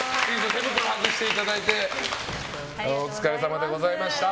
手袋を外していただいてお疲れさまでございました。